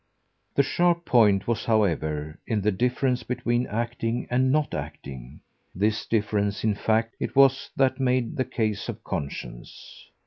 The sharp point was, however, in the difference between acting and not acting: this difference in fact it was that made the case of conscience.